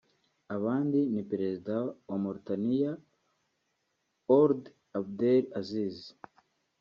Abandi ni perezida wa Mauritaia Ould Abdel Aziz